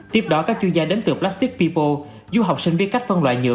tiếp đó các chuyên gia đến từ plastic people giúp học sinh biết cách phân loại nhựa